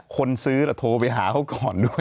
คนซื้อโทรไปหาเขาก่อนด้วย